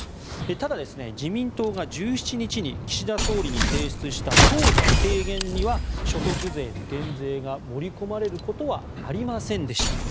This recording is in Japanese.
ただ、自民党が１７日に岸田総理に提出した党の提言には、所得税の減税が盛り込まれることはありませんでした。